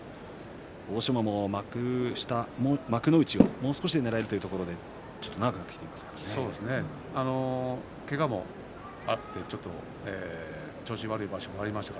欧勝馬も幕内をもう少しでねらえるというところちょっとけがもあって調子が悪い場所もありました。